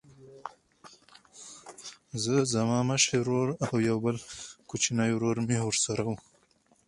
زه زما مشر ورور او یو بل کوچنی ورور مې ورسره و